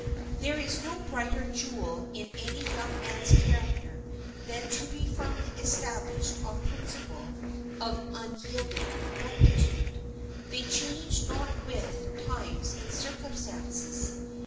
There is no brighter jewel in any young man's character than to be firmly established on principles of unyielding rectitude. They change not with times and circumstances.